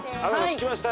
着きました。